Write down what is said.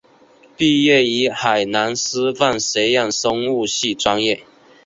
毕业于海南师范学院生物系专业。